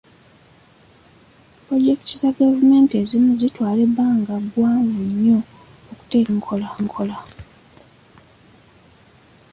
Pulojekiti za gavumenti ezimu zitwala ebbanga ggwanvu nnyo okuteekebwa mu nkola.